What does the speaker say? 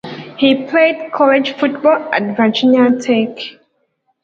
He played college football at Virginia Tech.